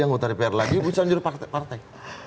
anggota dpr lagi bisa lanjut partai